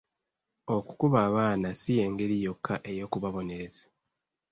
Okukuba abaana ssi y'engeri yokka ey'okubabonereza.